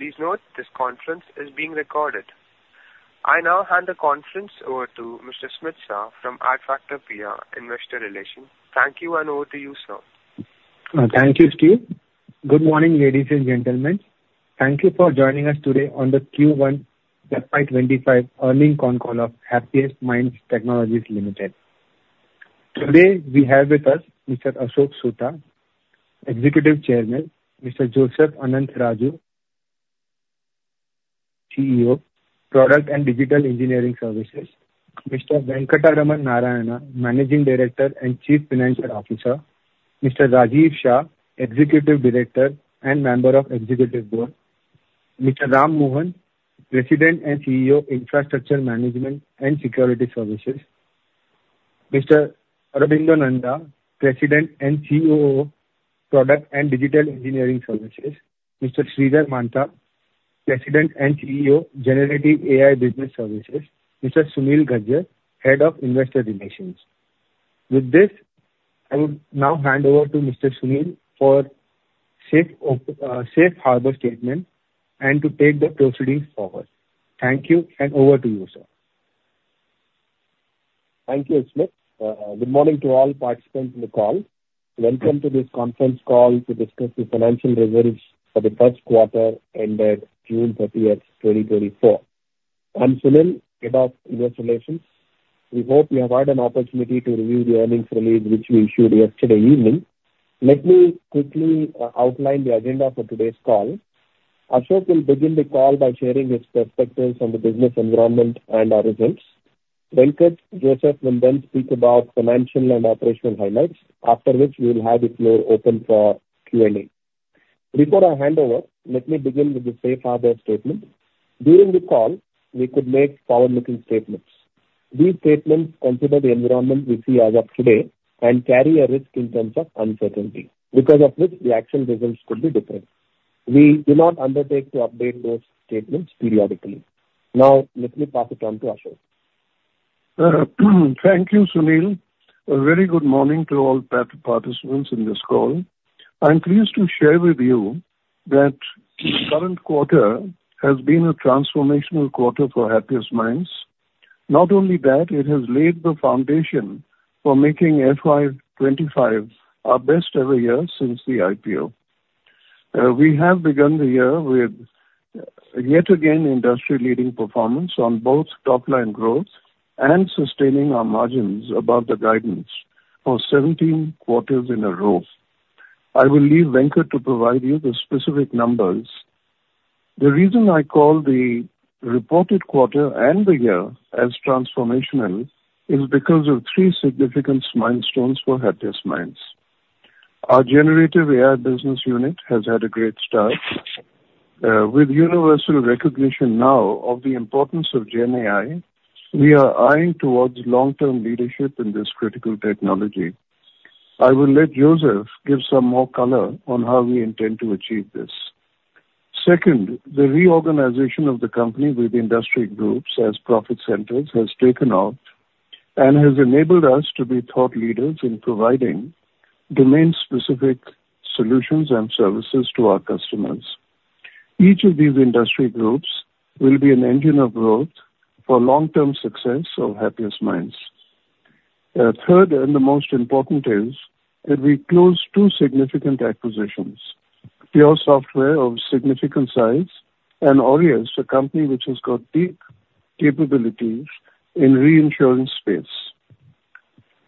Please note this conference is being recorded. I now hand the conference over to Mr. Smit Shah from Adfactors PR Investor Relations. Thank you, and over to you, sir. Thank you, Steve. Good morning, ladies and gentlemen. Thank you for joining us today on the Q1 FY25 earnings call of Happiest Minds Technologies Limited. Today we have with us Mr. Ashok Soota, Executive Chairman; Mr. Joseph Anantharaju, CEO, Product and Digital Engineering Services; Mr. Venkatraman Narayanan, Managing Director and Chief Financial Officer; Mr. Rajiv Shah, Executive Director and Member of Executive Board; Mr. Ram Mohan, President and CEO, Infrastructure Management and Security Services; Mr. Aurobinda Nanda, President and COO, Product and Digital Engineering Services; Mr. Sridhar Mantha, President and CEO, Generative AI Business Services; Mr. Sunil Gujjar, Head of Investor Relations. With this, I would now hand over to Mr. Sunil for safe harbor statement and to take the proceedings forward. Thank you, and over to you, sir. Thank you, Smit. Good morning to all participants in the call. Welcome to this conference call to discuss the financial results for the first quarter ended June 30, 2024. I'm Sunil, Head of Investor Relations. We hope you have had an opportunity to review the earnings release, which we issued yesterday evening. Let me quickly outline the agenda for today's call. Ashok will begin the call by sharing his perspectives on the business environment and our results. Venkat and Joseph will then speak about financial and operational highlights, after which we will have the floor open for Q&A. Before I hand over, let me begin with the safe harbor statement. During the call, we could make forward-looking statements. These statements consider the environment we see as of today and carry a risk in terms of uncertainty, because of which the actual results could be different. We do not undertake to update those statements periodically. Now, let me pass it on to Ashok. Thank you, Sunil. A very good morning to all participants in this call. I'm pleased to share with you that the current quarter has been a transformational quarter for Happiest Minds. Not only that, it has laid the foundation for making FY 25 our best ever year since the IPO. We have begun the year with, yet again, industry-leading performance on both top line growth and sustaining our margins above the guidance for 17 quarters in a row. I will leave Venkat to provide you the specific numbers. The reason I call the reported quarter and the year as transformational is because of 3 significant milestones for Happiest Minds. Our generative AI business unit has had a great start. With universal recognition now of the importance of Gen AI, we are eyeing towards long-term leadership in this critical technology. I will let Joseph give some more color on how we intend to achieve this. Second, the reorganization of the company with industry groups as profit centers has taken off and has enabled us to be thought leaders in providing domain-specific solutions and services to our customers. Each of these industry groups will be an engine of growth for long-term success of Happiest Minds. Third, and the most important, is that we closed two significant acquisitions: PureSoftware of significant size and Aureus, a company which has got deep capabilities in reinsurance space.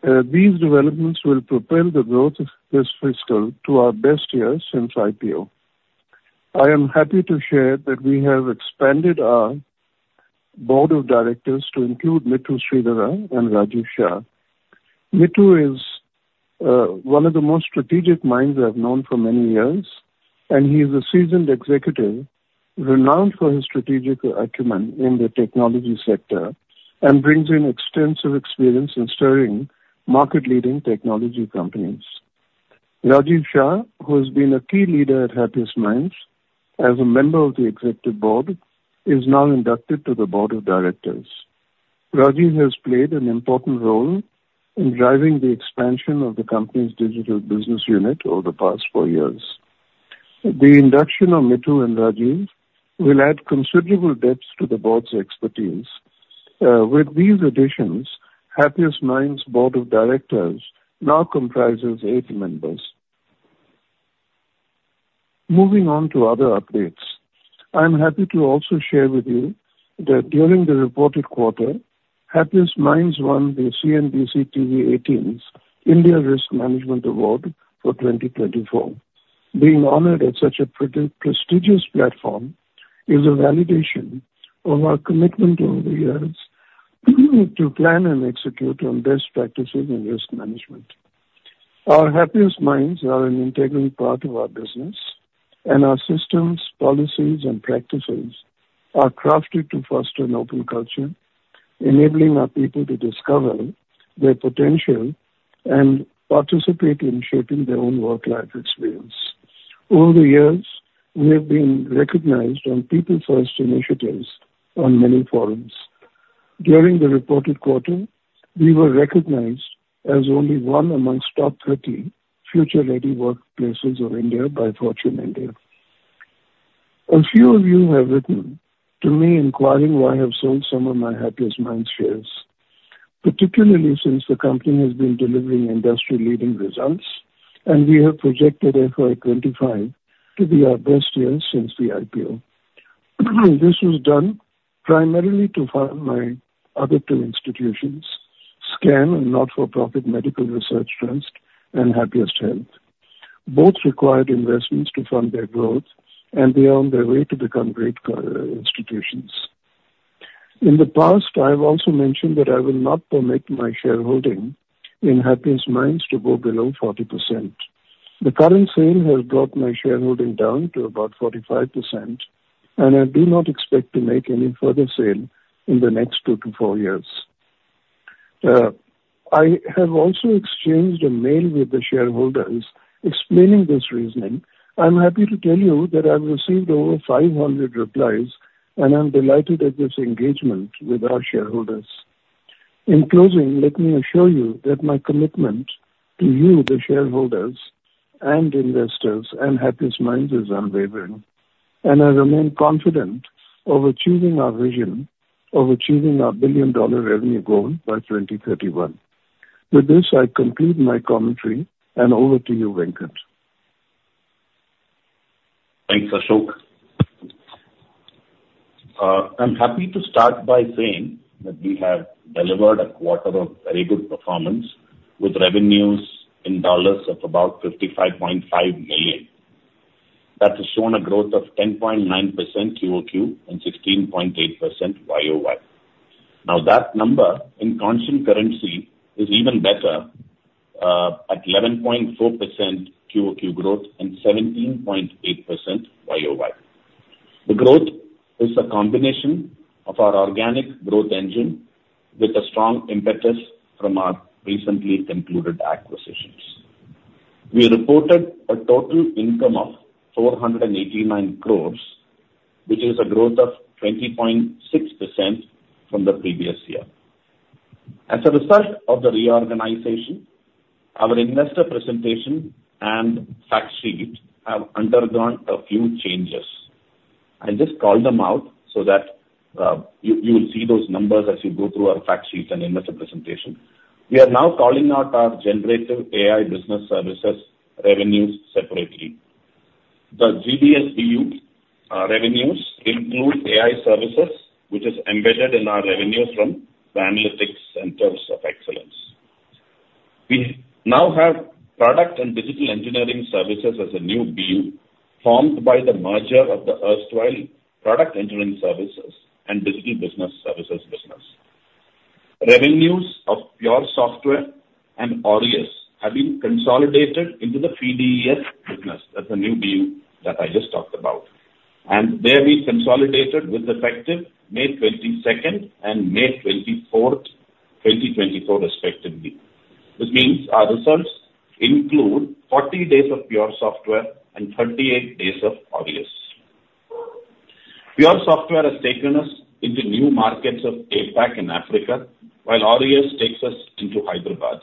These developments will propel the growth of this fiscal to our best year since IPO. I am happy to share that we have expanded our board of directors to include Mittu Sridhara and Rajiv Shah. Mittu is one of the most strategic minds I've known for many years, and he is a seasoned executive, renowned for his strategic acumen in the technology sector and brings in extensive experience in steering market-leading technology companies. Rajiv Shah, who has been a key leader at Happiest Minds as a member of the executive board, is now inducted to the board of directors. Rajiv has played an important role in driving the expansion of the company's digital business unit over the past four years. The induction of Mittu and Rajiv will add considerable depth to the board's expertise. With these additions, Happiest Minds board of directors now comprises eight members. Moving on to other updates, I'm happy to also share with you that during the reported quarter, Happiest Minds won the CNBC-TV18's India Risk Management Award for 2024. Being honored at such a pretty prestigious platform is a validation of our commitment over the years to plan and execute on best practices in risk management. Our Happiest Minds are an integral part of our business, and our systems, policies, and practices are crafted to foster an open culture, enabling our people to discover their potential and participate in shaping their own work-life experience. Over the years, we have been recognized on people-first initiatives on many forums. During the reported quarter, we were recognized as only one amongst top 30 future-ready workplaces of India by Fortune India. A few of you have written to me inquiring why I have sold some of my Happiest Minds shares, particularly since the company has been delivering industry-leading results, and we have projected FY 25 to be our best year since the IPO. This was done primarily to fund my other two institutions, SKAN, a not-for-profit medical research trust, and Happiest Health. Both required investments to fund their growth, and they are on their way to become great, institutions. In the past, I have also mentioned that I will not permit my shareholding in Happiest Minds to go below 40%. The current sale has brought my shareholding down to about 45%, and I do not expect to make any further sale in the next 2-4 years. I have also exchanged a mail with the shareholders explaining this reasoning. I'm happy to tell you that I've received over 500 replies, and I'm delighted at this engagement with our shareholders. In closing, let me assure you that my commitment to you, the shareholders and investors and Happiest Minds, is unwavering, and I remain confident of achieving our vision of achieving our billion-dollar revenue goal by 2031. With this, I conclude my commentary, and over to you, Venkat. Thanks, Ashok. I'm happy to start by saying that we have delivered a quarter of very good performance, with revenues in dollars of about $55.5 million. That has shown a growth of 10.9% QoQ and 16.8% YoY. Now, that number in constant currency is even better, at 11.4% QoQ growth and 17.8% YoY. The growth is a combination of our organic growth engine with a strong impetus from our recently concluded acquisitions. We reported a total income of 489 crore, which is a growth of 20.6% from the previous year. As a result of the reorganization, our investor presentation and fact sheet have undergone a few changes. I'll just call them out so that, you, you will see those numbers as you go through our fact sheets and investor presentation. We are now calling out our Generative AI Business Services revenues separately. The GBS BU revenues include AI services, which is embedded in our revenues from the analytics centers of excellence. We now have product and digital engineering services as a new BU, formed by the merger of the erstwhile product engineering services and digital business services business. Revenues of PureSoftware and Aureus have been consolidated into the PDES business. That's a new BU that I just talked about. And they'll be consolidated with effective May 22nd and May 24th, 2024, respectively, which means our results include 40 days of PureSoftware and 38 days of Aureus. PureSoftware has taken us into new markets of APAC and Africa, while Aureus takes us into Hyderabad.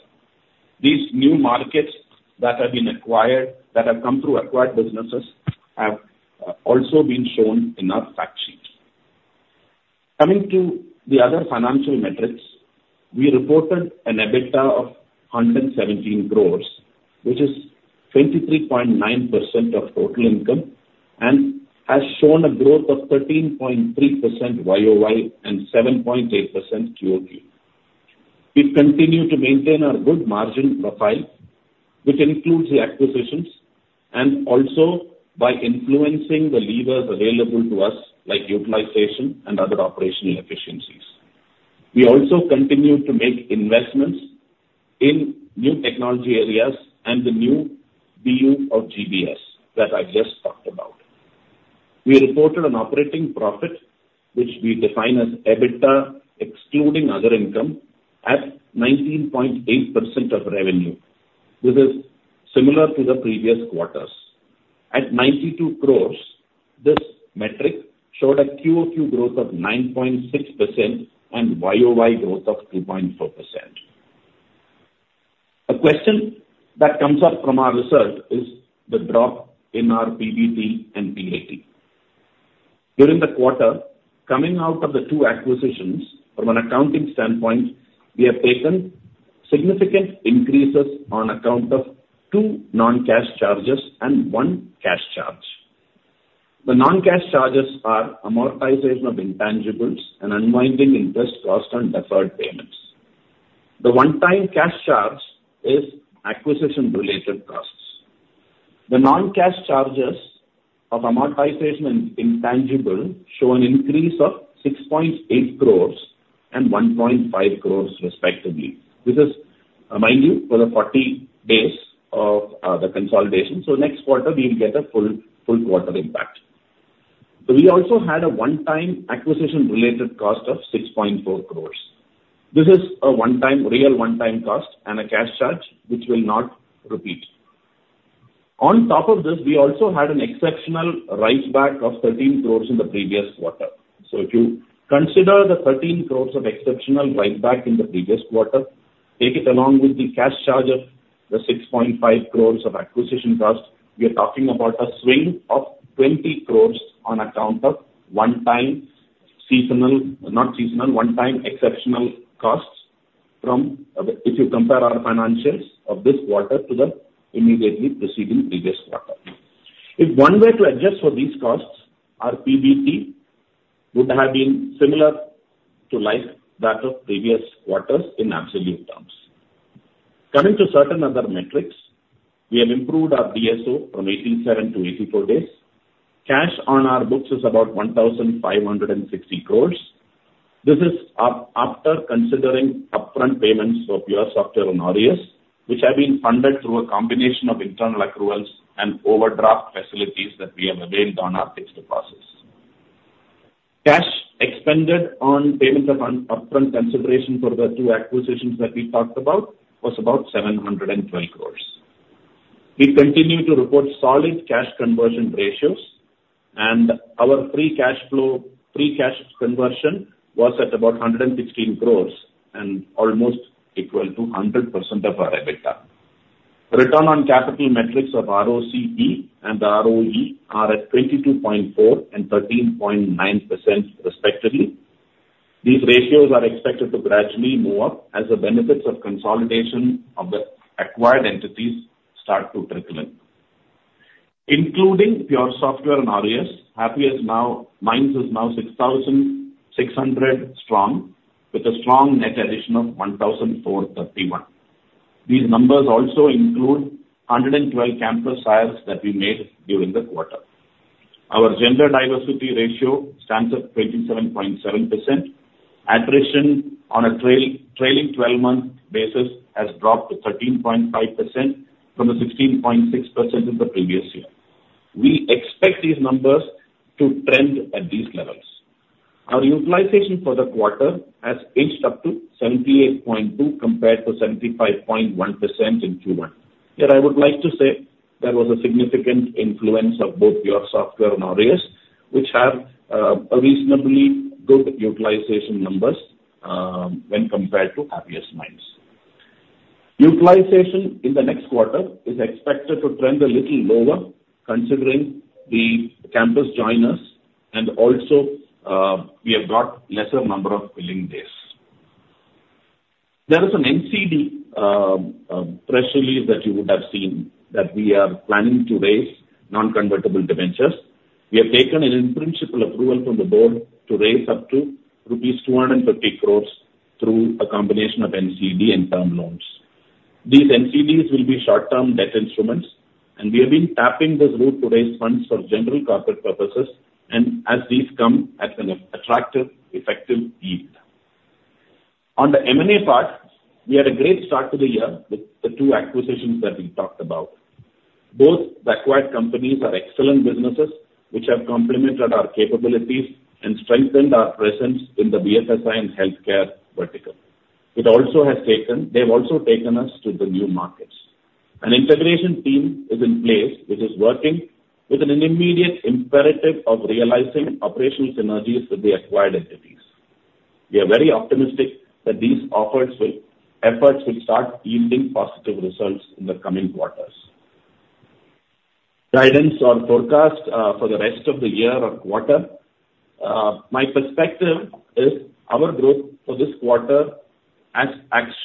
These new markets that have been acquired, that have come through acquired businesses, have also been shown in our fact sheet. Coming to the other financial metrics, we reported an EBITDA of 117 crores, which is 23.9% of total income and has shown a growth of 13.3% YoY and 7.8% QoQ. We've continued to maintain our good margin profile, which includes the acquisitions and also by influencing the levers available to us, like utilization and other operational efficiencies. We also continue to make investments in new technology areas and the new BU of GBS that I just talked about. We reported an operating profit, which we define as EBITDA, excluding other income, at 19.8% of revenue. This is similar to the previous quarters. At 92 crore, this metric showed a QoQ growth of 9.6% and YoY growth of 2.4%. A question that comes up from our research is the drop in our PBT and PAT. During the quarter, coming out of the two acquisitions, from an accounting standpoint, we have taken significant increases on account of two non-cash charges and one cash charge. The non-cash charges are amortization of intangibles and unwinding interest cost on deferred payments. The one-time cash charge is acquisition-related costs. The non-cash charges of amortization and intangible show an increase of 6.8 crore and 1.5 crore respectively, which is, mind you, for the 40 days of the consolidation. So next quarter we'll get a full, full quarter impact. So we also had a one-time acquisition-related cost of 6.4 crore. This is a one-time, real one-time cost and a cash charge, which will not repeat. On top of this, we also had an exceptional write back of 13 crore in the previous quarter. So if you consider the 13 crore of exceptional write back in the previous quarter, take it along with the cash charge of the 6.5 crore of acquisition cost, we are talking about a swing of 20 crore on account of one-time seasonal- not seasonal, one-time exceptional costs from, if you compare our financials of this quarter to the immediately preceding previous quarter. If one were to adjust for these costs, our PBT would have been similar to like that of previous quarters in absolute terms. Coming to certain other metrics, we have improved our DSO from 187 to 84 days. Cash on our books is about 1,560 crore. This is after considering upfront payments for PureSoftware and Aureus, which have been funded through a combination of internal accruals and overdraft facilities that we have availed on our fixed deposits. Cash expended on payment of upfront consideration for the two acquisitions that we talked about was about 712 crore. We continue to report solid cash conversion ratios, and our free cash flow, free cash conversion was at about 116 crore and almost equal to 100% of our EBITDA. Return on capital metrics of ROCE and ROE are at 22.4% and 13.9%, respectively. These ratios are expected to gradually move up as the benefits of consolidation of the acquired entities start to percolate. Including PureSoftware and Aureus, Happiest Minds is now 6,600 strong, with a strong net addition of 1,431. These numbers also include 112 campus hires that we made during the quarter. Our gender diversity ratio stands at 27.7%. Attrition on a trailing twelve-month basis has dropped to 13.5% from the 16.6% in the previous year. We expect these numbers to trend at these levels. Our utilization for the quarter has inched up to 78.2, compared to 75.1% in Q1. Here, I would like to say there was a significant influence of both PureSoftware and Aureus, which have a reasonably good utilization numbers, when compared to Happiest Minds. Utilization in the next quarter is expected to trend a little lower, considering the campus joiners, and also, we have got lesser number of billing days. There is an NCD press release that you would have seen, that we are planning to raise non-convertible debentures. We have taken an in-principle approval from the board to raise up to rupees 250 crores through a combination of NCD and term loans. These NCDs will be short-term debt instruments, and we have been tapping this route to raise funds for general corporate purposes, and as these come at an attractive effective yield. On the M&A part, we had a great start to the year with the two acquisitions that we talked about. Both the acquired companies are excellent businesses, which have complemented our capabilities and strengthened our presence in the BFSI and healthcare vertical. They've also taken us to the new markets. An integration team is in place, which is working with an immediate imperative of realizing operational synergies with the acquired entities. We are very optimistic that these efforts will start yielding positive results in the coming quarters. Guidance on forecast for the rest of the year or quarter, my perspective is our growth for this quarter has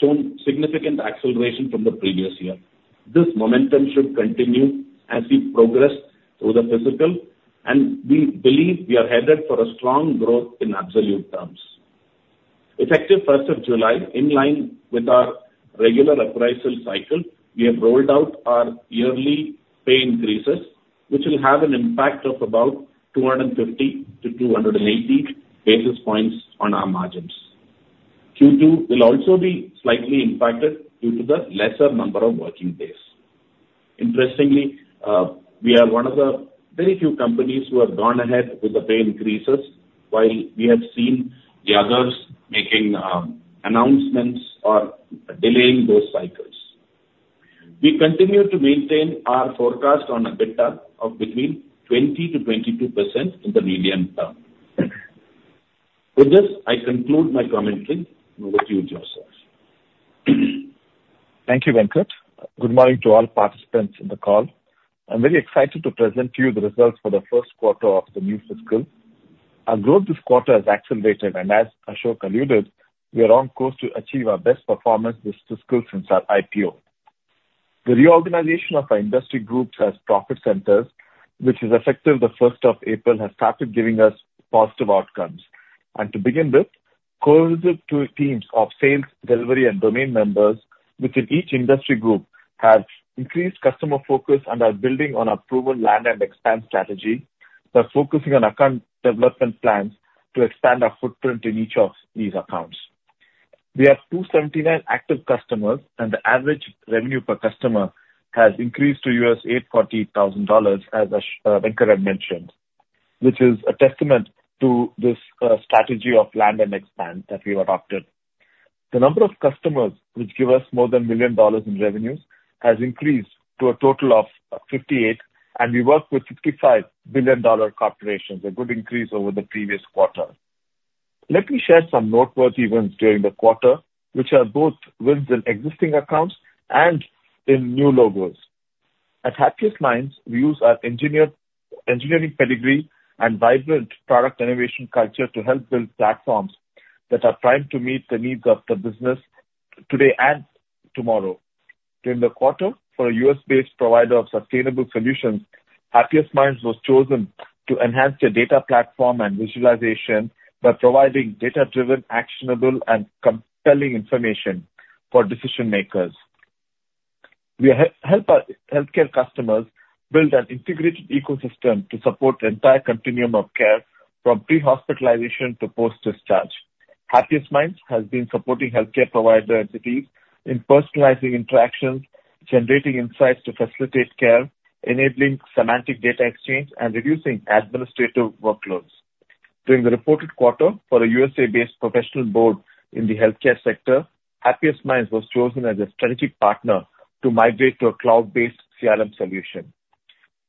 shown significant acceleration from the previous year. This momentum should continue as we progress through the fiscal, and we believe we are headed for a strong growth in absolute terms. Effective first of July, in line with our regular appraisal cycle, we have rolled out our yearly pay increases, which will have an impact of about 250-280 basis points on our margins. Q2 will also be slightly impacted due to the lesser number of working days. Interestingly, we are one of the very few companies who have gone ahead with the pay increases, while we have seen the others making announcements or delaying those cycles. We continue to maintain our forecast on EBITDA of between 20%-22% in the medium term. With this, I conclude my commenting. Over to you, Joseph. Thank you, Venkat. Good morning to all participants in the call. I'm very excited to present to you the results for the first quarter of the new fiscal. Our growth this quarter has accelerated, and as Ashok alluded, we are on course to achieve our best performance this fiscal since our IPO. The reorganization of our industry groups as profit centers, which is effective the first of April, has started giving us positive outcomes. And to begin with, cohesive two teams of sales, delivery, and domain members within each industry group have increased customer focus and are building on our proven land and expand strategy by focusing on account development plans to expand our footprint in each of these accounts. We have 279 active customers, and the average revenue per customer has increased to $840,000, as Ashok, Venkat had mentioned, which is a testament to this strategy of land and expand that we've adopted. The number of customers which give us more than $1 million in revenues has increased to a total of 58, and we work with 55 billion-dollar corporations, a good increase over the previous quarter. Let me share some noteworthy events during the quarter, which are both wins in existing accounts and in new logos. At Happiest Minds, we use our engineering pedigree and vibrant product innovation culture to help build platforms that are primed to meet the needs of the business today and tomorrow. During the quarter, for a U.S.-based provider of sustainable solutions, Happiest Minds was chosen to enhance their data platform and visualization by providing data-driven, actionable, and compelling information for decision makers. We help our healthcare customers build an integrated ecosystem to support the entire continuum of care, from pre-hospitalization to post-discharge. Happiest Minds has been supporting healthcare provider entities in personalizing interactions, generating insights to facilitate care, enabling semantic data exchange, and reducing administrative workloads. During the reported quarter, for a U.S.-based professional board in the healthcare sector, Happiest Minds was chosen as a strategic partner to migrate to a cloud-based CRM solution.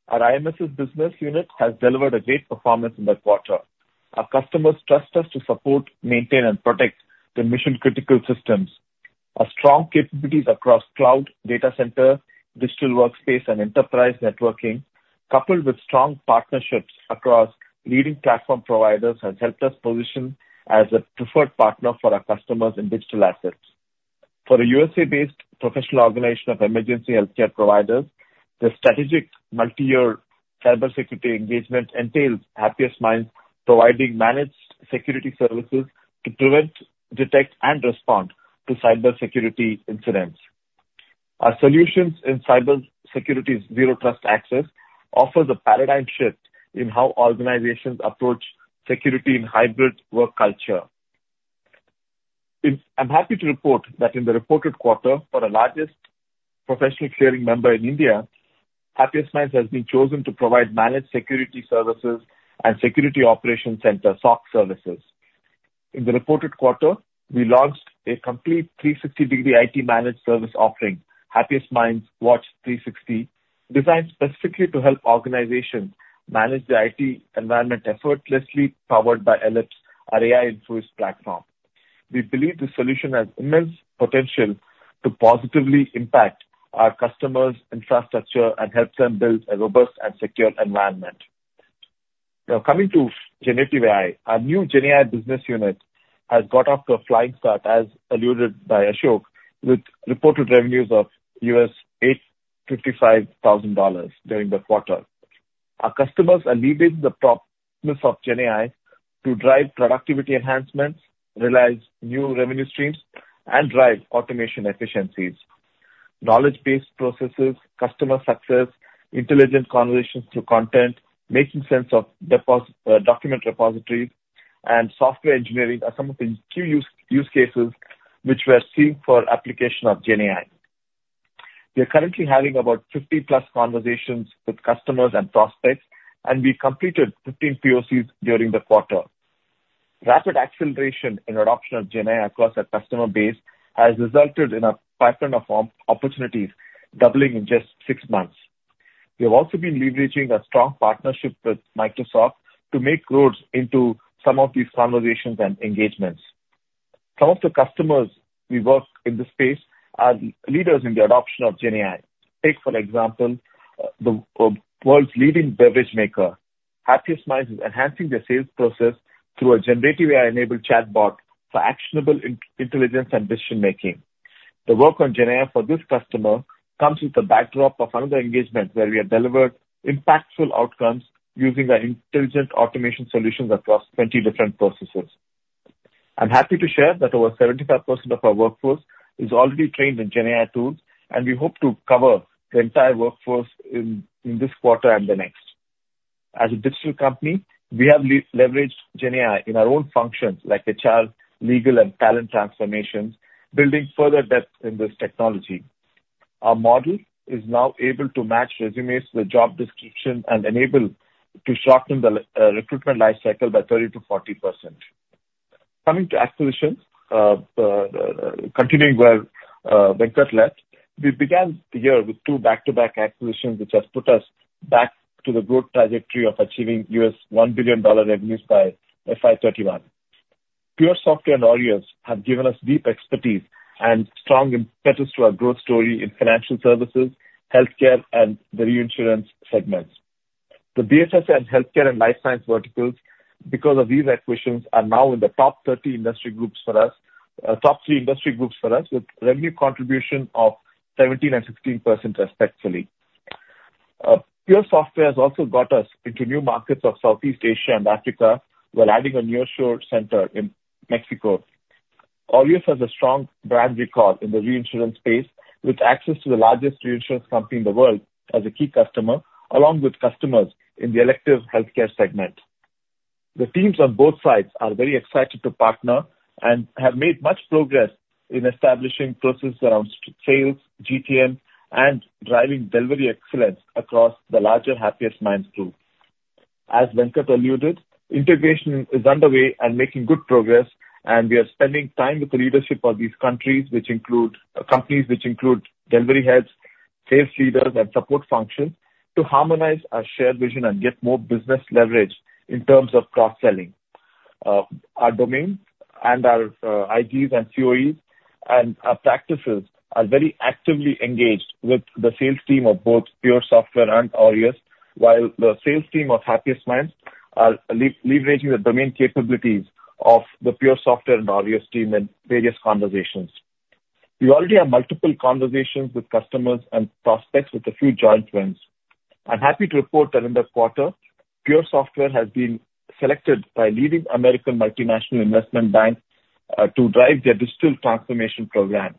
Our IMSS business unit has delivered a great performance in the quarter. Our customers trust us to support, maintain, and protect their mission-critical systems. Our strong capabilities across cloud, data center, digital workspace, and enterprise networking, coupled with strong partnerships across leading platform providers, has helped us position as a preferred partner for our customers in digital assets. For a USA-based professional organization of emergency healthcare providers, the strategic multi-year cybersecurity engagement entails Happiest Minds providing managed security services to prevent, detect, and respond to cybersecurity incidents. Our solutions in cybersecurity's Zero Trust access offers a paradigm shift in how organizations approach security in hybrid work culture. I'm happy to report that in the reported quarter, for the largest professional clearing member in India, Happiest Minds has been chosen to provide managed security services and security operations center, SOC, services. In the reported quarter, we launched a complete 360-degree IT managed service offering, Happiest Minds Watch 360, designed specifically to help organizations manage their IT environment effortlessly, powered by Ellipse, our AI-infused platform. We believe this solution has immense potential to positively impact our customers' infrastructure and helps them build a robust and secure environment. Now, coming to generative AI. Our new GenAI business unit has got off to a flying start, as alluded by Ashok, with reported revenues of $855,000 during the quarter. Our customers are leveraging the promise of GenAI to drive productivity enhancements, realize new revenue streams, and drive automation efficiencies. Knowledge-based processes, customer success, intelligent conversations through content, making sense of document repositories, and software engineering are some of the key use cases which we are seeing for application of GenAI. We are currently having about 50+ conversations with customers and prospects, and we completed 15 POCs during the quarter. Rapid acceleration in adoption of GenAI across our customer base has resulted in a pipeline of opportunities doubling in just 6 months. We have also been leveraging a strong partnership with Microsoft to make inroads into some of these conversations and engagements. Some of the customers we work in this space are leaders in the adoption of GenAI. Take, for example, the world's leading beverage maker. Happiest Minds is enhancing their sales process through a generative AI-enabled chatbot for actionable intelligence and decision making. The work on GenAI for this customer comes with the backdrop of another engagement where we have delivered impactful outcomes using our intelligent automation solutions across 20 different processes. I'm happy to share that over 75% of our workforce is already trained in GenAI tools, and we hope to cover the entire workforce in this quarter and the next. As a digital company, we have leveraged GenAI in our own functions, like HR, legal, and talent transformations, building further depth in this technology. Our model is now able to match resumes with job description and enable to shorten the recruitment life cycle by 30%-40%. Coming to acquisitions, continuing where Venkat left, we began the year with two back-to-back acquisitions, which has put us back to the growth trajectory of achieving U.S. $1 billion revenues by FY 2031. PureSoftware and Aureus have given us deep expertise and strong impetus to our growth story in financial services, healthcare, and the reinsurance segments. The BFSI and healthcare and life science verticals, because of these acquisitions, are now in the top 30 industry groups for us, top three industry groups for us, with revenue contribution of 17% and 16%, respectively. PureSoftware has also got us into new markets of Southeast Asia and Africa, while adding a nearshore center in Mexico. Aureus has a strong brand record in the reinsurance space, with access to the largest reinsurance company in the world as a key customer, along with customers in the elective healthcare segment. The teams on both sides are very excited to partner and have made much progress in establishing processes around sales, GTM, and driving delivery excellence across the larger Happiest Minds group. As Venkat alluded, integration is underway and making good progress, and we are spending time with the leadership of these countries, which include companies which include delivery heads, sales leaders, and support functions, to harmonize our shared vision and get more business leverage in terms of cross-selling. Our domain and our IGs and COEs and our practices are very actively engaged with the sales team of both PureSoftware and Aureus, while the sales team of Happiest Minds are leveraging the domain capabilities of the PureSoftware and Aureus team in various conversations. We already have multiple conversations with customers and prospects with a few joint wins. I'm happy to report that in this quarter, PureSoftware has been selected by a leading American multinational investment bank to drive their digital transformation program.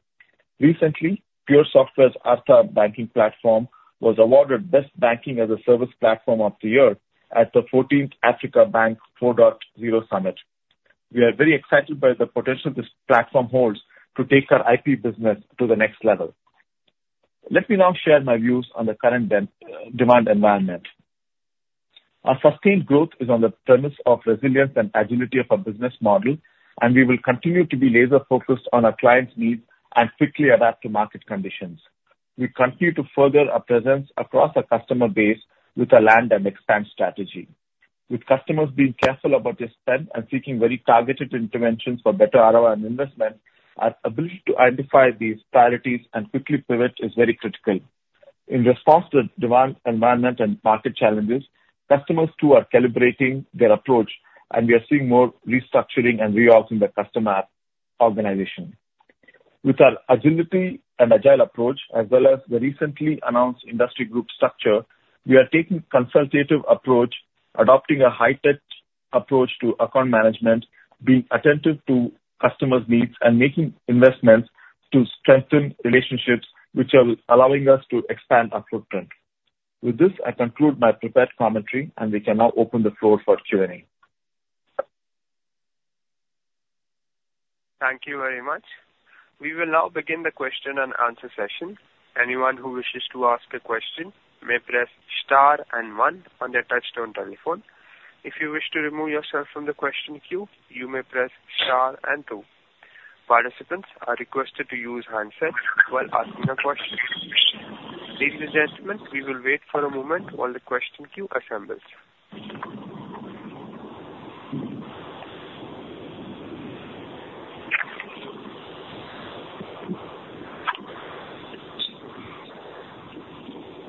Recently, PureSoftware's Arttha banking platform was awarded Best Banking as a Service Platform of the Year at the fourteenth Africa Bank 4.0 Summit. We are very excited by the potential this platform holds to take our IT business to the next level. Let me now share my views on the current demand environment. Our sustained growth is on the terms of resilience and agility of our business model, and we will continue to be laser focused on our clients' needs and quickly adapt to market conditions. We continue to further our presence across our customer base with a land and expand strategy. With customers being careful about their spend and seeking very targeted interventions for better ROI on investment, our ability to identify these priorities and quickly pivot is very critical. In response to the demand, environment, and market challenges, customers, too, are calibrating their approach, and we are seeing more restructuring and reorgs in the customer organization. With our agility and agile approach, as well as the recently announced industry group structure, we are taking consultative approach, adopting a high-touch approach to account management, being attentive to customers' needs, and making investments to strengthen relationships which are allowing us to expand our footprint. With this, I conclude my prepared commentary, and we can now open the floor for Q&A. Thank you very much. We will now begin the question and answer session. Anyone who wishes to ask a question may press star and one on their touchtone telephone. If you wish to remove yourself from the question queue, you may press star and two. Participants are requested to use handsets while asking a question. Ladies and gentlemen, we will wait for a moment while the question queue assembles.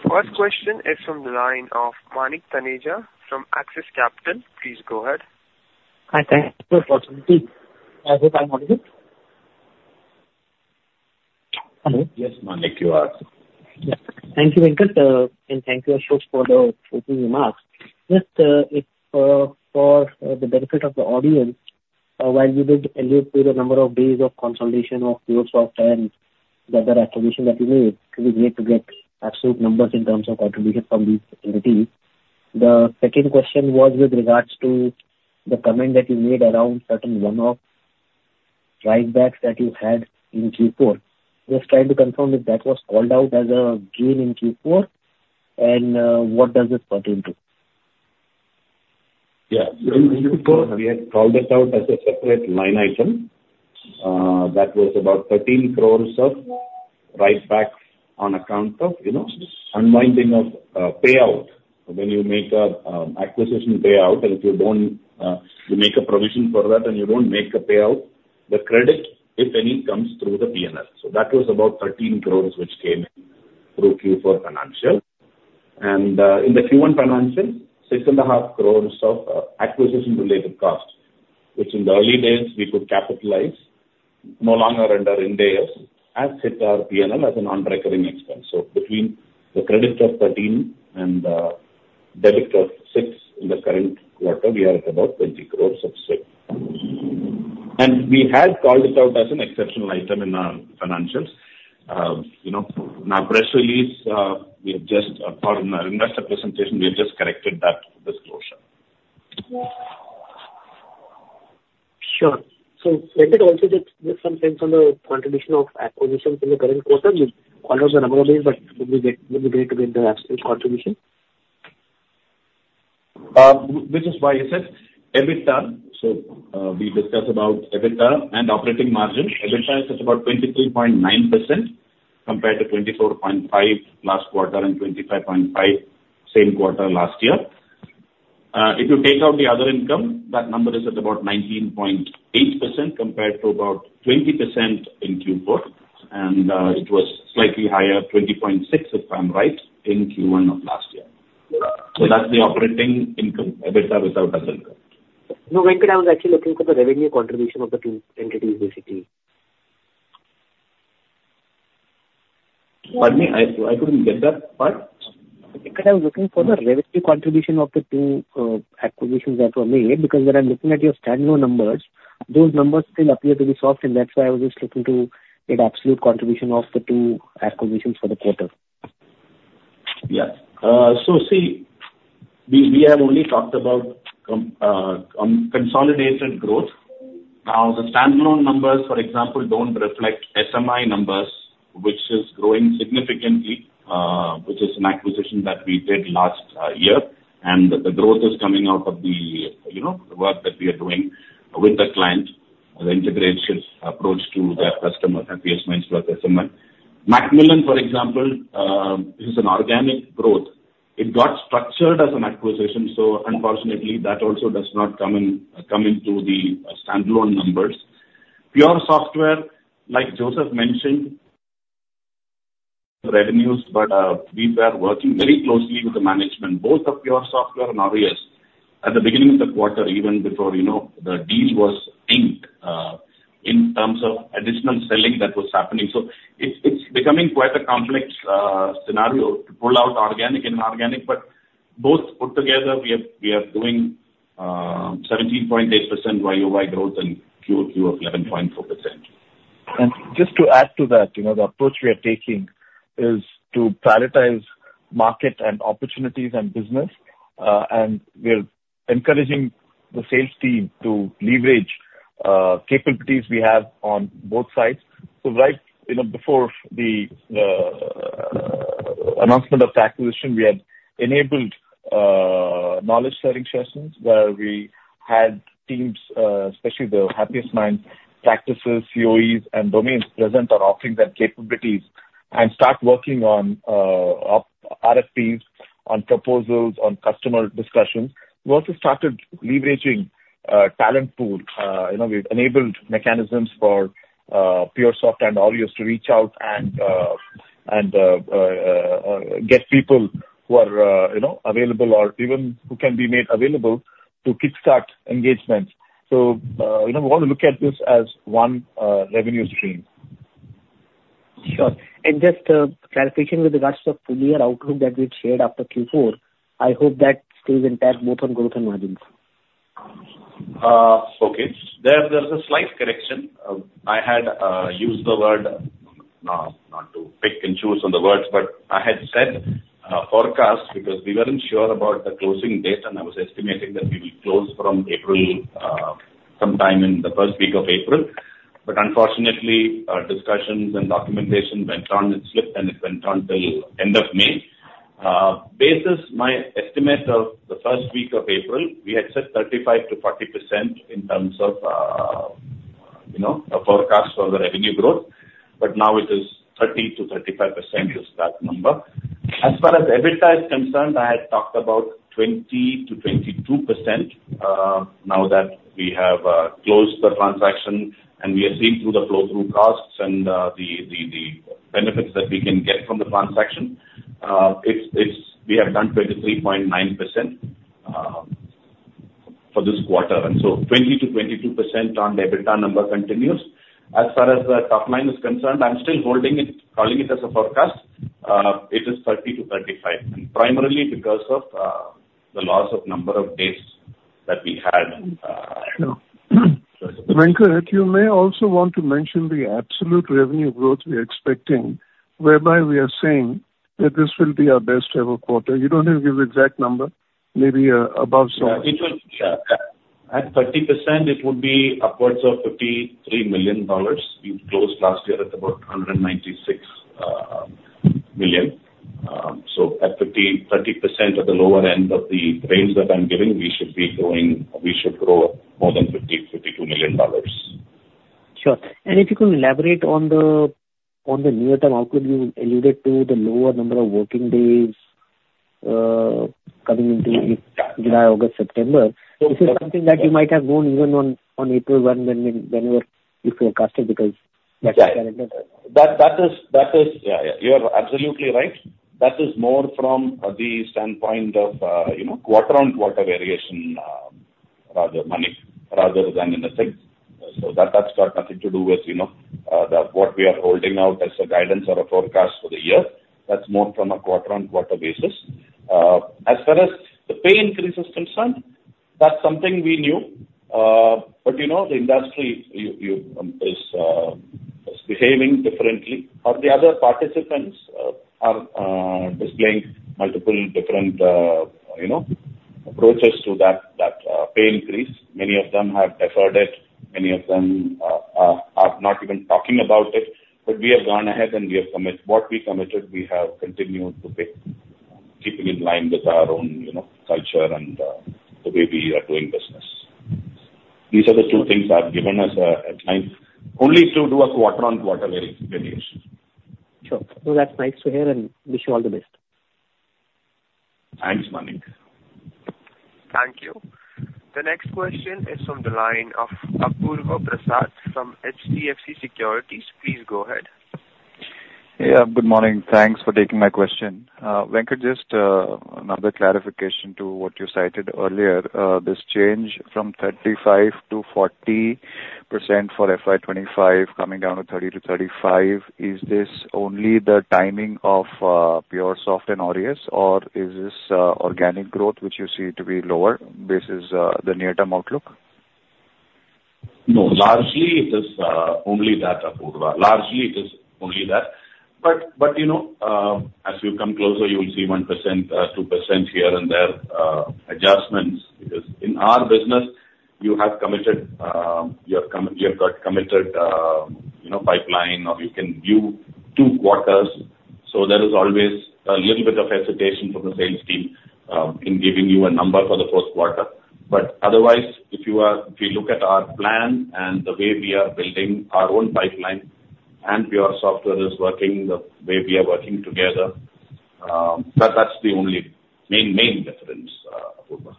First question is from the line of Manik Taneja from Axis Capital. Please go ahead. Hi, thanks for the opportunity. I hope I'm audible. Hello? Yes, Manik, you are. Yeah. Thank you, Venkat, and thank you, Ashok, for the opening remarks. Just, if, for the benefit of the audience, while you did allude to the number of days of consolidation of PureSoftware and the other acquisition that you made, it'd be great to get absolute numbers in terms of contribution from these entities. The second question was with regards to the comment that you made around certain one-off write-backs that you had in Q4. Just trying to confirm if that was called out as a gain in Q4, and, what does this pertain to? Yeah. We had called it out as a separate line item. That was about 13 crore of write-back on account of, you know, unwinding of payout. When you make an acquisition payout, and if you don't you make a provision for that, and you don't make a payout, the credit, if any, comes through the PNL. So that was about 13 crore, which came in through Q4 financials. And in the Q1 financials, 6.5 crore of acquisition-related costs, which in the early days, we could capitalize, no longer under IND AS, as it hits our PNL as a non-recurring expense. So between the credit of 13 and debit of six in the current quarter, we are at about 20 crore of spend. And we had called it out as an exceptional item in our financials. You know, in our press release, we have just, for our investor presentation, we have just corrected that disclosure. Sure. So Venkat, also just get some sense on the contribution of acquisitions in the current quarter. You called out the number of days, but it'd be great to get the absolute contribution. This is why I said, EBITDA. So, we discussed about EBITDA and operating margin. EBITDA is at about 22.9%, compared to 24.5% last quarter and 25.5% same quarter last year. If you take out the other income, that number is at about 19.8%, compared to about 20% in Q4, and it was slightly higher, 20.6%, if I'm right, in Q1 of last year. So that's the operating income, EBITDA without other income. No, Venkat, I was actually looking for the revenue contribution of the two entities, basically. Pardon me, I couldn't get that. Pardon? Venkat, I was looking for the revenue contribution of the two acquisitions that were made, because when I'm looking at your stand-alone numbers, those numbers still appear to be soft, and that's why I was just looking to get absolute contribution of the two acquisitions for the quarter. Yeah. So see, we have only talked about consolidated growth.... Now, the standalone numbers, for example, don't reflect SMI numbers, which is growing significantly, which is an acquisition that we did last year. And the growth is coming out of the, you know, work that we are doing with the client, the integrated approach to their customer, Happiest Minds with SMI. Macmillan, for example, is an organic growth. It got structured as an acquisition, so unfortunately, that also does not come in, come into the standalone numbers. PureSoftware, like Joseph mentioned, revenues, but we were working very closely with the management, both of PureSoftware and Aureus. At the beginning of the quarter, even before, you know, the deal was inked, in terms of additional selling that was happening. So it's becoming quite a complex scenario to pull out organic and inorganic, but both put together we are doing 17.8% year-over-year growth and quarter-over-quarter of 11.4%. And just to add to that, you know, the approach we are taking is to prioritize market and opportunities and business, and we are encouraging the sales team to leverage capabilities we have on both sides. So right, you know, before the announcement of the acquisition, we had enabled knowledge-sharing sessions, where we had teams, especially the Happiest Minds practices, COEs, and domains present on offering their capabilities and start working on RFPs, on proposals, on customer discussions. We also started leveraging talent pool. You know, we've enabled mechanisms for PureSoftware and Aureus to reach out and get people who are, you know, available or even who can be made available to kick-start engagements. So, you know, we want to look at this as one revenue stream. Sure. And just, clarification with regards to full year outlook that we'd shared after Q4. I hope that stays intact, both on growth and margins. Okay. There's a slight correction. I had used the word, not to pick and choose on the words, but I had said forecast, because we weren't sure about the closing date, and I was estimating that we will close from April, sometime in the first week of April. But unfortunately, discussions and documentation went on, it slipped, and it went on till end of May. Basis my estimate of the first week of April, we had said 35%-40% in terms of, you know, a forecast for the revenue growth, but now it is 30%-35% is that number. As far as EBITDA is concerned, I had talked about 20%-22%. Now that we have closed the transaction and we have seen through the flow-through costs and the benefits that we can get from the transaction, it's-- we have done 23.9% for this quarter, and so 20%-22% on the EBITDA number continues. As far as the top line is concerned, I'm still holding it, calling it as a forecast. It is 30%-35%, and primarily because of the loss of number of days that we had. Venkatraman, you may also want to mention the absolute revenue growth we are expecting, whereby we are saying that this will be our best ever quarter. You don't have to give exact number, maybe, above some. Yeah, it will, yeah. At 30%, it would be upwards of $53 million. We closed last year at about $196 million. So at 50, 30% at the lower end of the range that I'm giving, we should be growing, we should grow more than 50, $52 million. Sure. And if you could elaborate on the, on the near term, how could you alluded to the lower number of working days, coming into July, August, September? This is something that you might have known even on April one, when you were, you forecasted, because- Yeah, yeah, you are absolutely right. That is more from the standpoint of, you know, quarter-on-quarter variation, rather, Manik, rather than anything. So that, that's got nothing to do with, you know, the, what we are holding out as a guidance or a forecast for the year. That's more from a quarter-on-quarter basis. As far as the pay increase is concerned, that's something we knew. But, you know, the industry is behaving differently, or the other participants are displaying multiple different, you know, approaches to that pay increase. Many of them have deferred it, many of them are not even talking about it. But we have gone ahead, and we have commit... What we committed, we have continued to pay, keeping in line with our own, you know, culture and, the way we are doing business. These are the two things that have given us, a time only to do a quarter on quarter variation. Sure. Well, that's nice to hear, and wish you all the best. Thanks, Manik. Thank you. The next question is from the line of Apoorva Prasad from HDFC Securities. Please go ahead. Yeah, good morning. Thanks for taking my question. Venkat, just another clarification to what you cited earlier. This change from 35%-40% for FY 2025, coming down to 30%-35%, is this only the timing of PureSoftware and Aureus, or is this organic growth, which you see to be lower basis the near-term outlook? No, largely it is only that, Apoorva. Largely it is only that. But, but, you know, as you come closer, you will see 1%, 2% here and there adjustments, because in our business you have committed, you have got committed, you know, pipeline, or you can view two quarters, so there is always a little bit of hesitation from the sales team in giving you a number for the first quarter. But otherwise, if you are—if you look at our plan and the way we are building our own pipeline, and PureSoftware is working the way we are working together, that, that's the only main, main difference, Apoorva.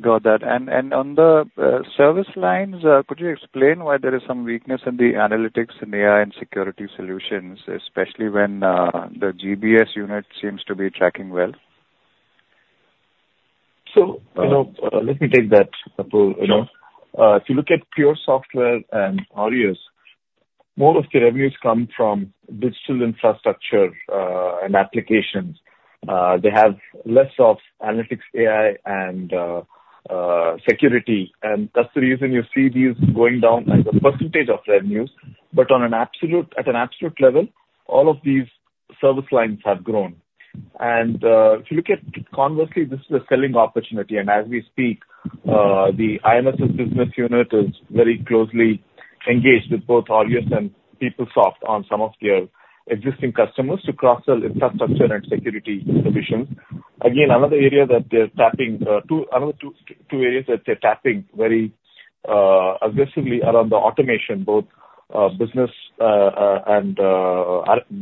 Got that. And on the service lines, could you explain why there is some weakness in the analytics and AI and security solutions, especially when the GBS unit seems to be tracking well? So, you know, let me take that, Apoorva. Sure. If you look at PureSoftware and Aureus, more of the revenues come from digital infrastructure and applications. They have less of analytics, AI, and security, and that's the reason you see these going down as a percentage of revenues. But on an absolute level, all of these service lines have grown. And if you look at conversely, this is a selling opportunity, and as we speak, the IMSS's business unit is very closely engaged with both Aureus and PureSoftware on some of their existing customers to cross-sell infrastructure and security solutions. Again, another area that they're tapping, two... Another two areas that they're tapping very, aggressively around the automation, both, business, and,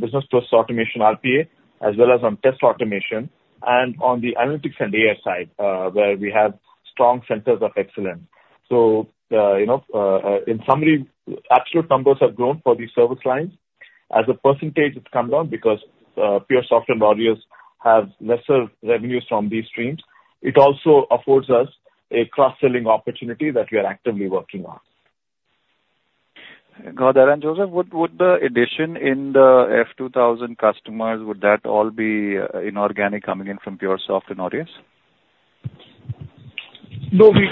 business process automation, RPA, as well as on test automation and on the analytics and AI side, where we have strong centers of excellence. So, you know, in summary, absolute numbers have grown for these service lines. As a percentage, it's come down because, PureSoftware and Aureus have lesser revenues from these streams. It also affords us a cross-selling opportunity that we are actively working on. Got that. And Joseph, would the addition in the 2,000 customers all be inorganic coming in from PureSoftware and Aureus? No, we,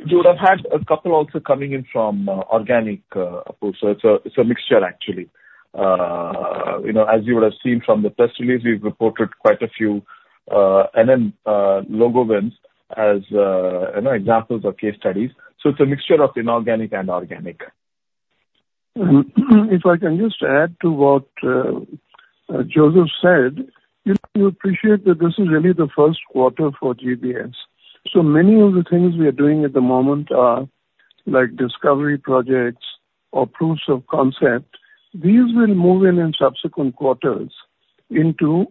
we would have had a couple also coming in from, organic, Apoorva. So it's a, it's a mixture, actually. You know, as you would have seen from the press release, we've reported quite a few, and then, logo wins as, you know, examples of case studies. So it's a mixture of inorganic and organic. If I can just add to what Joseph said, you appreciate that this is really the first quarter for GBS. So many of the things we are doing at the moment are like discovery projects or proofs of concept. These will move in subsequent quarters into,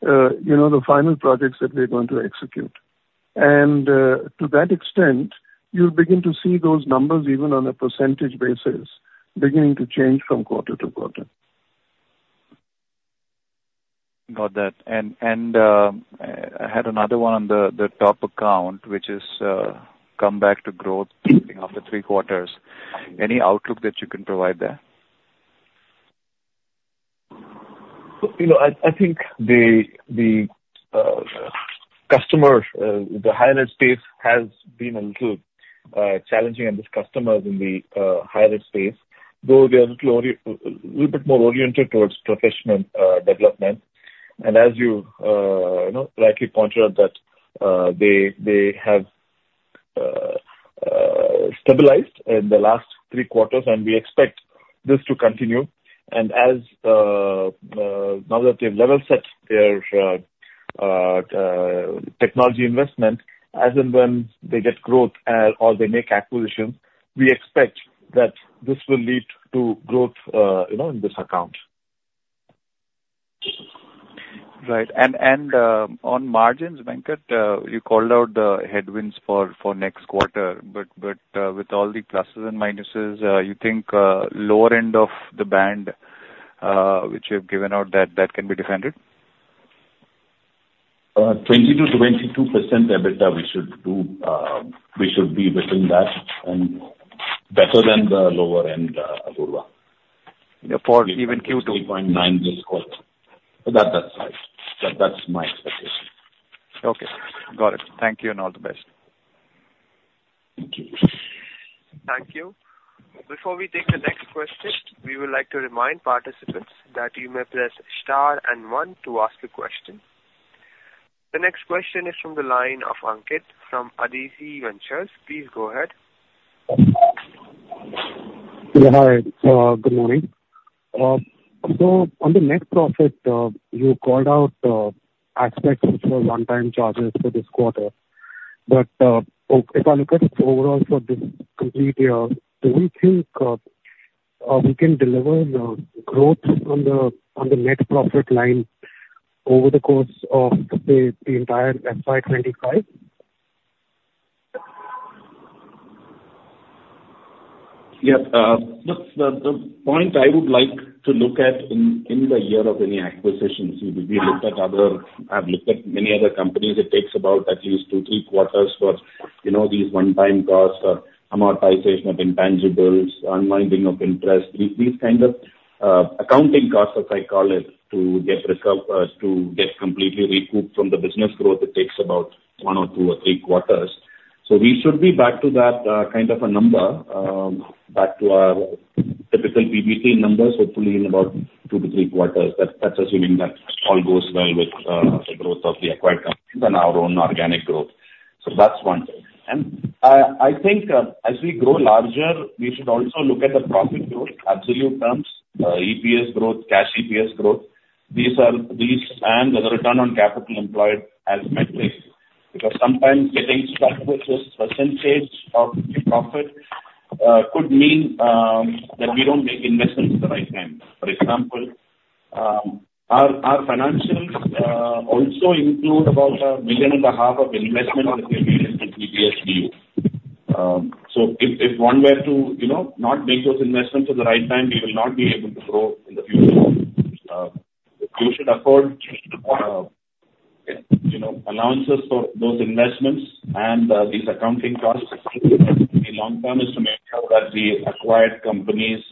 you know, the final projects that we're going to execute. And, to that extent, you'll begin to see those numbers, even on a percentage basis, beginning to change from quarter to quarter. Got that. I had another one on the top account, which is come back to growth after three quarters. Any outlook that you can provide there? So, you know, I think the customer, the higher ed space has been a little challenging, and these customers in the higher ed space, though they are a little bit more oriented towards professional development. And as you, you know, rightly pointed out that they have stabilized in the last three quarters, and we expect this to continue. And now that they've level set their technology investment, as and when they get growth or they make acquisitions, we expect that this will lead to growth, you know, in this account. Right. And on margins, Venkat, you called out the headwinds for next quarter, but with all the pluses and minuses, you think lower end of the band which you've given out, that can be defended? 20%-22% EBITDA we should do. We should be within that, and better than the lower end, Apoorva. For even Q2. 3.9 this quarter. That, that's right. That, that's my expectation. Okay. Got it. Thank you, and all the best. Thank you. Thank you. Before we take the next question, we would like to remind participants that you may press star and one to ask a question. The next question is from the line of Ankit Gupta from Aequitas Investment Consultancy. Please go ahead. Hi, good morning. So on the net profit, you called out aspects which were one-time charges for this quarter. But, if I look at it overall for this complete year, do we think we can deliver the growth on the net profit line over the course of the entire FY 25? Yeah, the point I would like to look at in the year of any acquisitions, we looked at other... I've looked at many other companies. It takes about at least 2-3 quarters for, you know, these one-time costs or amortization of intangibles, unwinding of interest. These kind of accounting costs, as I call it, to get completely recouped from the business growth. It takes about 1 or 2 or 3 quarters. So we should be back to that kind of a number, back to our typical PBT numbers, hopefully in about 2-3 quarters. That's assuming that all goes well with the growth of the acquired companies and our own organic growth. So that's one thing. I think, as we grow larger, we should also look at the profit growth, absolute terms, EPS growth, cash EPS growth. These are these and the return on capital employed as metrics, because sometimes getting stuck with just a percentage of the profit could mean that we don't make investments at the right time. For example, our financials also include about 1.5 billion of investment, which will be in the GBS BU. So if one were to, you know, not make those investments at the right time, we will not be able to grow in the future. You should afford, you know, allowances for those investments and these accounting costs. In the long term is to make sure that the acquired companies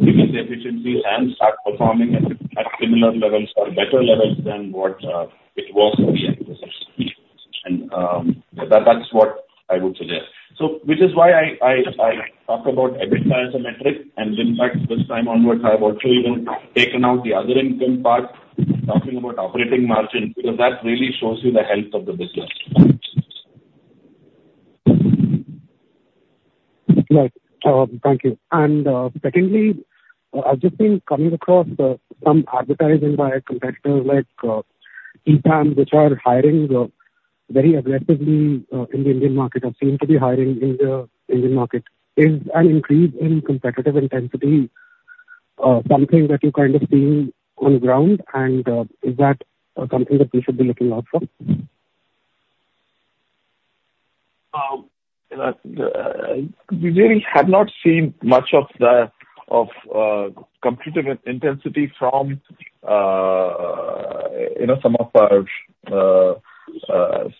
reduce efficiencies and start performing at similar levels or better levels than what it was previously. And that's what I would suggest. So which is why I talk about EBITDA as a metric, and in fact, this time onwards, I've actually even taken out the other income part, talking about operating margin, because that really shows you the health of the business. Right. Thank you. And, secondly, I've just been coming across some advertising by competitors like EPAM, which are hiring very aggressively in the Indian market or seem to be hiring in the Indian market. Is an increase in competitive intensity something that you're kind of seeing on the ground? And, is that something that we should be looking out for? We really have not seen much of the competitive intensity from, you know, some of our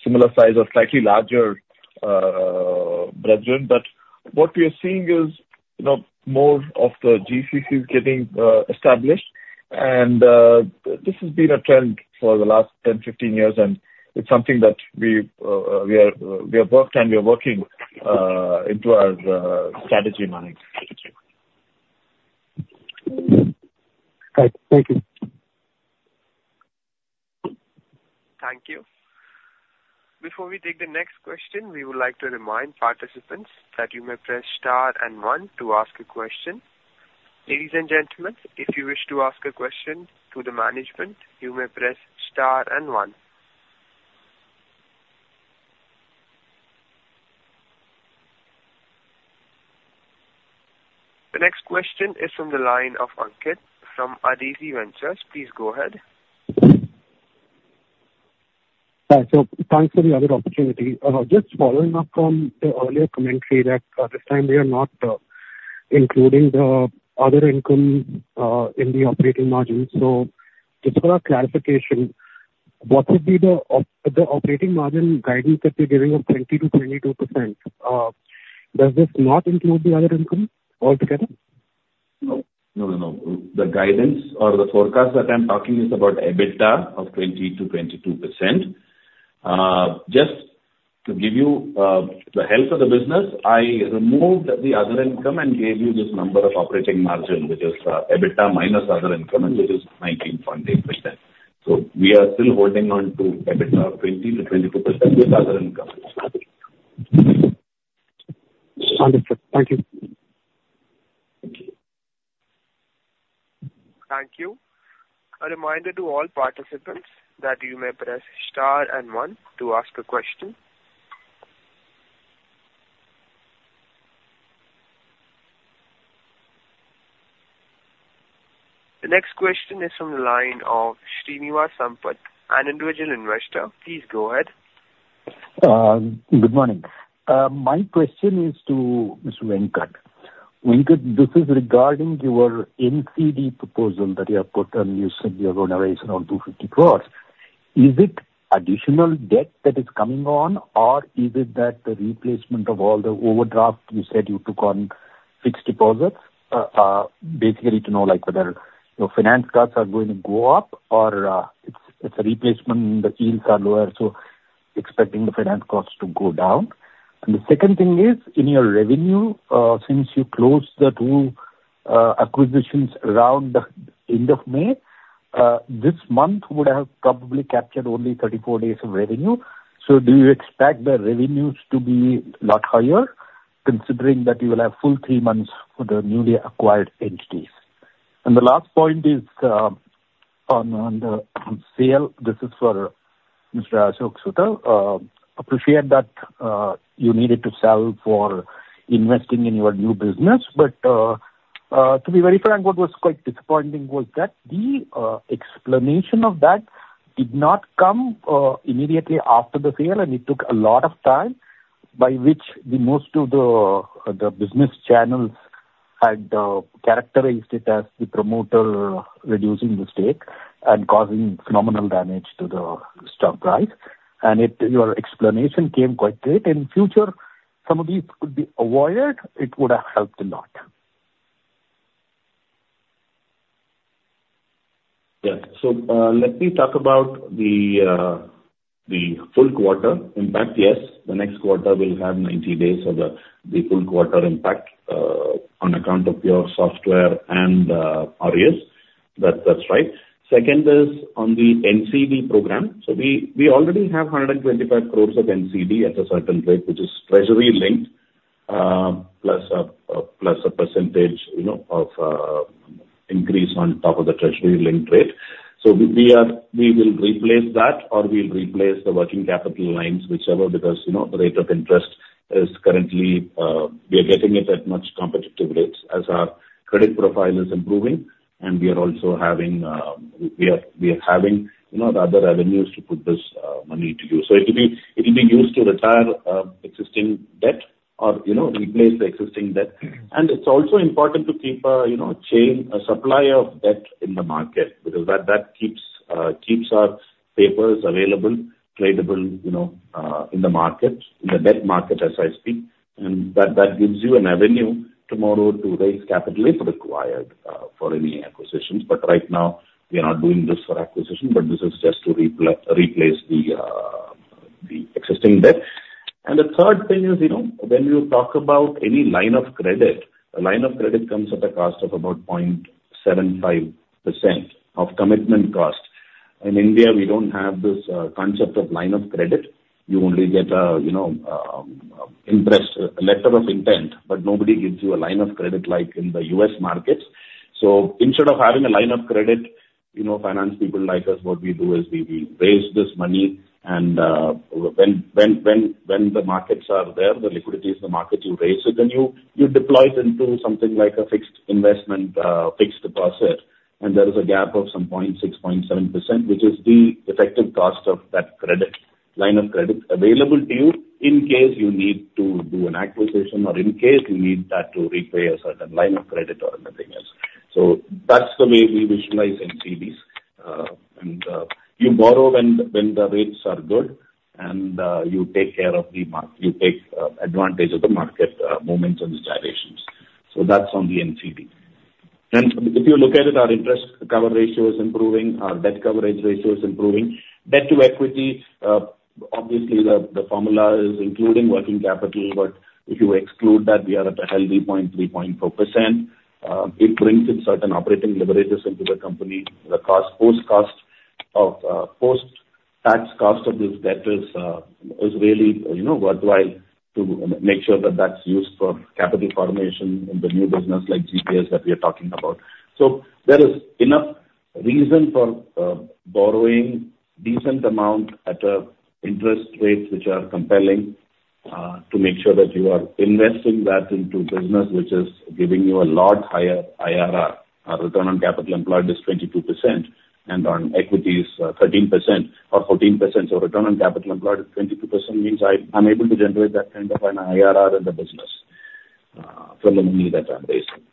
similar size or slightly larger brethren. But what we are seeing is, you know, more of the GCC is getting established, and this has been a trend for the last 10, 15 years, and it's something that we have worked and we are working into our strategy mindset. Right. Thank you. Thank you. Before we take the next question, we would like to remind participants that you may press star and one to ask a question. Ladies and gentlemen, if you wish to ask a question to the management, you may press star and one. The next question is from the line of Ankit Gupta from Aequitas Investment Consultancy. Please go ahead. Hi, so thanks for the other opportunity. Just following up from the earlier commentary that, this time we are not, including the other income, in the operating margin. So just for our clarification, what would be the operating margin guidance that you're giving of 20%-22%? Does this not include the other income altogether? No, no, no. The guidance or the forecast that I'm talking is about EBITDA of 20%-22%. Just to give you, the health of the business, I removed the other income and gave you this number of operating margin, which is, EBITDA minus other income, which is 19.8%. So we are still holding on to EBITDA of 20%-22% with other income. Understood. Thank you. Thank you. Thank you. A reminder to all participants that you may press star and one to ask a question. The next question is from the line of Srinivas Sampat, an individual investor. Please go ahead. Good morning. My question is to Mr. Venkat. Venkat, this is regarding your NCD proposal that you have put on. You said you are going to raise around 250 crores. Is it additional debt that is coming on, or is it that the replacement of all the overdraft you said you took on fixed deposits? Basically to know, like, whether your finance costs are going to go up or, it's a replacement, the yields are lower, so expecting the finance costs to go down. And the second thing is, in your revenue, since you closed the 2 acquisitions around the end of May, this month would have probably captured only 34 days of revenue. So do you expect the revenues to be a lot higher, considering that you will have full 3 months for the newly acquired entities? The last point is, on the sale. This is for Mr. Ashok Soota. Appreciate that, you needed to sell for investing in your new business. To be very frank, what was quite disappointing was that the explanation of that did not come immediately after the sale, and it took a lot of time, by which most of the business channels had characterized it as the promoter reducing the stake and causing phenomenal damage to the stock price. Your explanation came quite late. In future, some of these could be avoided; it would have helped a lot.... Yeah. So, let me talk about the full quarter impact. Yes, the next quarter will have 90 days of the full quarter impact on account of PureSoftware and Aureus. That's right. Second is on the NCD program. So we already have 125 crore of NCD at a certain rate, which is treasury linked, plus a percentage, you know, of increase on top of the treasury linked rate. So we will replace that, or we'll replace the working capital lines, whichever, because, you know, the rate of interest is currently we are getting it at much competitive rates as our credit profile is improving, and we are also having the other avenues to put this money to use. So it'll be used to retire existing debt or, you know, replace the existing debt. And it's also important to keep a, you know, chain, a supply of debt in the market, because that keeps our papers available, tradable, you know, in the market, in the debt market, as I speak. And that gives you an avenue tomorrow to raise capital if required for any acquisitions. But right now, we are not doing this for acquisition, but this is just to replace the existing debt. And the third thing is, you know, when you talk about any line of credit, a line of credit comes at a cost of about 0.75% of commitment cost. In India, we don't have this concept of line of credit. You only get a, you know, interest letter of intent, but nobody gives you a line of credit like in the U.S. markets. So instead of having a line of credit, you know, finance people like us, what we do is we raise this money and when the markets are there, the liquidity is the market, you raise it, then you deploy it into something like a fixed investment, fixed deposit, and there is a gap of some 0.6%-0.7%, which is the effective cost of that credit, line of credit available to you in case you need to do an acquisition or in case you need that to repay a certain line of credit or nothing else. So that's the way we visualize NCDs. You borrow when the rates are good, and you take advantage of the market movements and the variations. So that's on the NCD. And if you look at it, our interest coverage ratio is improving, our debt coverage ratio is improving. Debt to equity, obviously, the formula is including working capital, but if you exclude that, we are at a healthy point, 3.4%. It brings in certain operating leverages into the company. The post-tax cost of this debt is really, you know, worthwhile to make sure that that's used for capital formation in the new business like GBS, that we are talking about. So there is enough reason for borrowing decent amount at interest rates, which are compelling, to make sure that you are investing that into business, which is giving you a lot higher IRR. Our Return on Capital Employed is 22%, and on equity is 13% or 14%. So Return on Capital Employed is 22%, means I'm able to generate that kind of an IRR in the business for the money that I'm raising.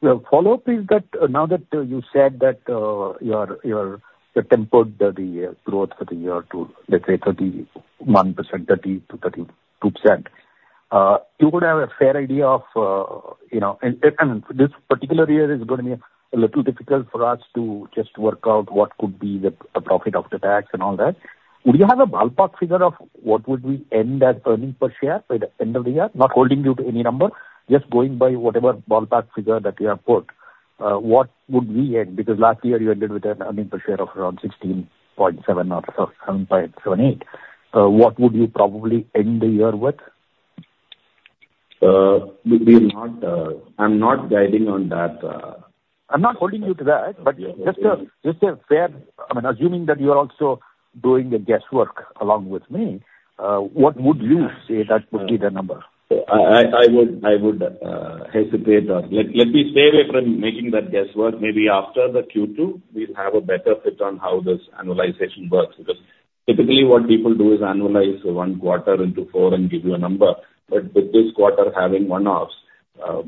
The follow-up is that, now that you said that your tempered growth for the year to, let's say, 31%, 30%-32%, you would have a fair idea of, you know, and this particular year is going to be a little difficult for us to just work out what could be the profit before tax and all that. Would you have a ballpark figure of what would we end at earnings per share by the end of the year? Not holding you to any number, just going by whatever ballpark figure that you have put, what would we end? Because last year you ended with an earnings per share of around 16.78. What would you probably end the year with? We will not... I'm not guiding on that. I'm not holding you to that, but just a fair... I mean, assuming that you are also doing the guesswork along with me, what would you say that would be the number? I would hesitate, or let me stay away from making that guesswork. Maybe after the Q2, we'll have a better fit on how this annualization works, because typically, what people do is annualize one quarter into four and give you a number. But with this quarter having one-offs,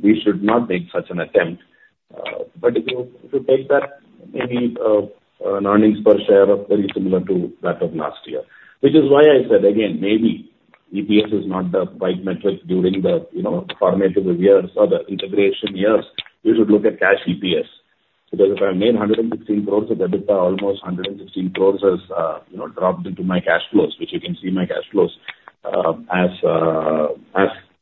we should not make such an attempt. But if you take that, maybe, an earnings per share of very similar to that of last year. Which is why I said again, maybe EPS is not the right metric during the, you know, formative years or the integration years. You should look at cash EPS. So because if I made 116 crores of EBITDA, almost 116 crores is, you know, dropped into my cash flows, which you can see my cash flows, as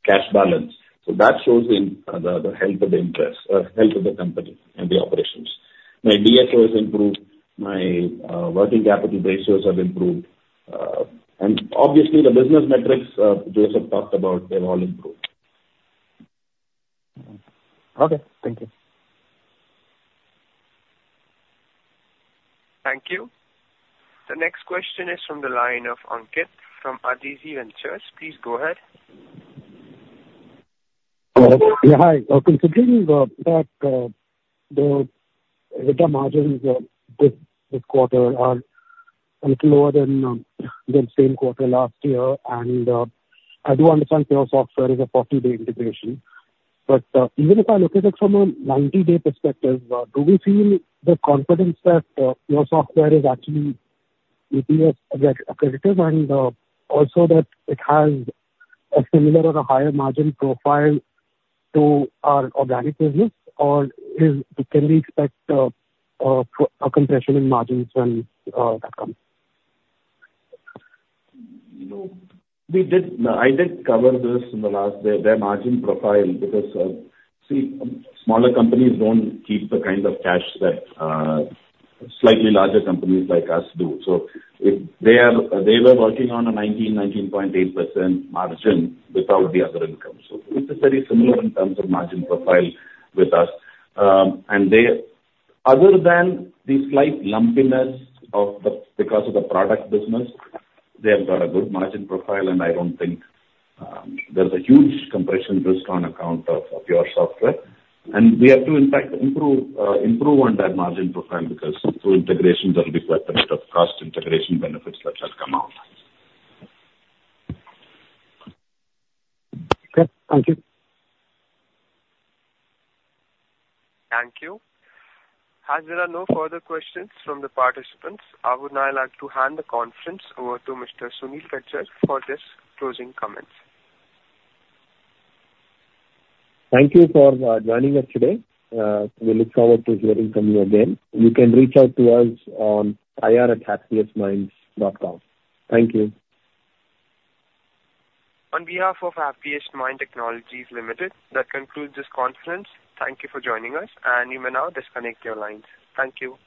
cash balance. So that shows in the health of the interest, health of the company and the operations. My DSO has improved, my working capital ratios have improved. And obviously, the business metrics Joseph talked about, they've all improved. Okay. Thank you. Thank you. The next question is from the line of Ankit Gupta from Aequitas Investment Consultancy. Please go ahead. Yeah, hi. Considering that the EBITDA margins this quarter are a little lower than the same quarter last year, and I do understand PureSoftware is a 40-day integration, but even if I look at it from a 90-day perspective, do we feel the confidence that PureSoftware is actually giving us a credit, and also that it has a similar or a higher margin profile to our organic business? Or can we expect a compression in margins when that comes? You know, we did, I did cover this in the last. Their margin profile, because, see, smaller companies don't keep the kind of cash that slightly larger companies like us do. So if they are- they were working on a 19.8% margin without the other income. So it is very similar in terms of margin profile with us. And they, other than the slight lumpiness of the, because of the product business, they have got a good margin profile, and I don't think there's a huge compression risk on account of PureSoftware. And we have to, in fact, improve on that margin profile because full integrations are required to get the cost integration benefits that shall come out. Okay. Thank you. Thank you. As there are no further questions from the participants, I would now like to hand the conference over to Mr. Sunil Gujjar for his closing comments. Thank you for joining us today. We look forward to hearing from you again. You can reach out to us on ir@happiestminds.com. Thank you. On behalf of Happiest Minds Technologies Limited, that concludes this conference. Thank you for joining us, and you may now disconnect your lines. Thank you.